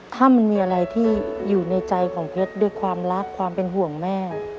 ถ้ามันมีอะไรที่อยู่ในใจของเพชรด้วยความรักความเป็นห่วงแม่